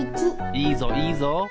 いいぞいいぞ！